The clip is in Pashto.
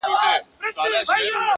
وخت د ارمانونو د ازموینې ډګر دی،